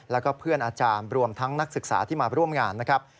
แล้วก็เพื่อนอาจารย์รวมทั้งนักศึกษาที่มาร่วมงานนะครับ